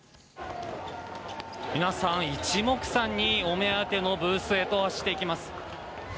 皆さん一目散にお目当てのブースへと走っていきます。